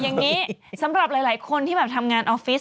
อย่างนี้สำหรับหลายคนที่แบบทำงานออฟฟิศ